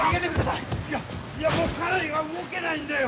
いやもう家内は動けないんだよ。